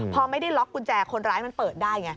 พอไม่ได้ล็อกกุญแจคนร้ายมันเปิดได้ไง